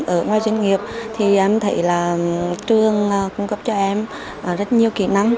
ở ngoài doanh nghiệp thì em thấy là trường cung cấp cho em rất nhiều kỹ năng